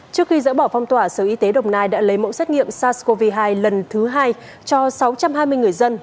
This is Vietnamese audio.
trước khi dỡ bỏ phong tỏa sở y tế đồng nai đã lấy mẫu xét nghiệm sars cov hai lần thứ hai cho sáu trăm hai mươi người dân